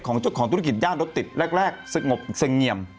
เจ้าของธุรกิจย่านรถติดแรกสงบเสงี่ยม